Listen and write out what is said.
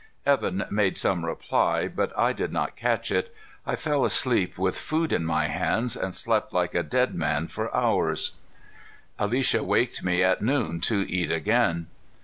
Evan made some reply, but I did not catch it. I fell asleep with food in my hands and slept like a dead man for hours. Alicia waked me at noon to eat again.